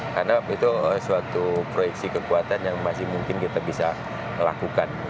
karena itu suatu proyeksi kekuatan yang masih mungkin kita bisa lakukan